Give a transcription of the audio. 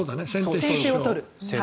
先手を取る。